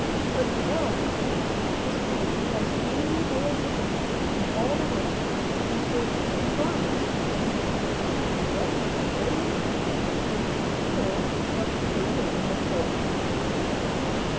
But Pizarro was greedy, as greedy as any old man in all the world, and so he promised the Inca to let him go free if he filled up the room with gold.